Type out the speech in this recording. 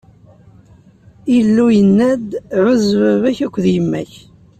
Illu yenna-d: Ɛuzz baba-k akked yemma-k.